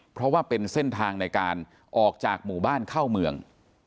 เพราะว่าเป็นเส้นทางในการออกจากหมู่บ้านเข้าเมือง